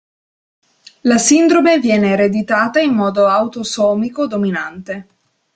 La sindrome viene ereditata in modo autosomico dominante.